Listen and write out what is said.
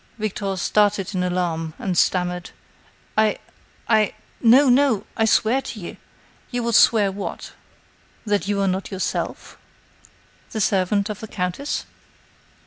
Victor started in alarm, and stammered: "I!....I!.... no, no....I swear to you...." "You will swear what? That you are not yourself? The servant of the countess?"